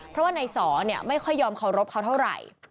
เพราะว่านายสอไม่ค่อยยอมเคารพเขาเท่าไหร่